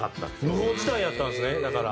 無法地帯やったんですねだから。